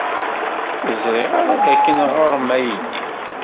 Ur ẓriɣ ara dakken ɣer-m aydi.